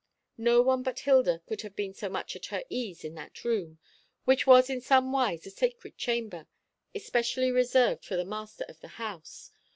No one but Hilda could have been so much at her ease in that room, which was in some wise a sacred chamber, especially reserved for the master of the house.